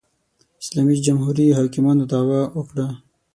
اسلامي جمهوري حاکمانو دعوا وکړه